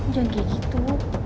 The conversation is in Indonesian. jangan kayak gitu